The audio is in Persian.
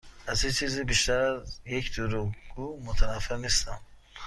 از هیچ چیزی بیشتر از یک دروغگو متنفر نیستم.